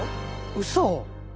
うそ。